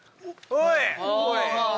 おい。